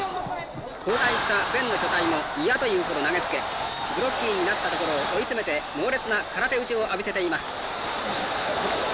交代したベンの巨体も嫌というほど投げつけグロッギーになったところを追い詰めて猛烈な空手打ちを浴びせています。